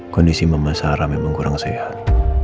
kondisi mama sarah memang kurang sehat